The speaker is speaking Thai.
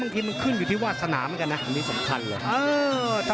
พี่น้องอ่ะพี่น้องอ่ะพี่น้องอ่ะ